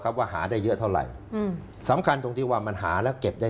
ว่าหาได้เยอะเท่าไหร่อืมสำคัญตรงที่ว่ามันหาแล้วเก็บได้